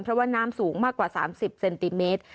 เพราะว่าน้ำสูงมากกว่า๓๐เซนติเมตร